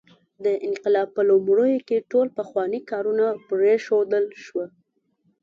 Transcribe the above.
د انقلاب په لومړیو کې ټول پخواني کارونه پرېښودل شول.